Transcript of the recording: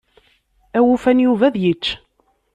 Awufan Yuba ad yečč.